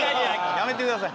やめてください。